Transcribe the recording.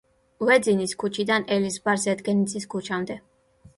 ვეძინის ქუჩიდან ელიზბარ ზედგენიძის ქუჩამდე.